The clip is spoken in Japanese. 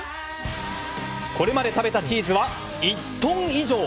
これまで食べたチーズは１トン以上。